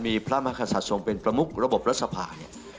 มีพระมหาศาสตร์ส่งเป็นประมุกระบบรสภา